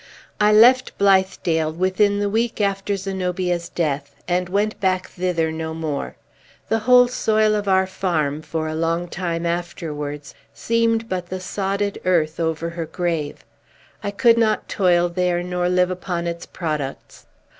I left Blithedale within the week after Zenobia's death, and went back thither no more. The whole soil of our farm, for a long time afterwards, seemed but the sodded earth over her grave. I could not toil there, nor live upon its products.